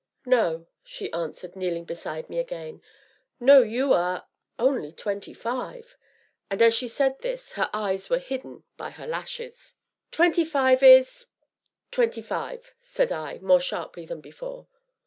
"No," she answered, kneeling beside me again; "no, you are only twenty five!" And, as she said this, her eyes were hidden by her lashes. "Twenty five is twenty five!" said I, more sharply than before.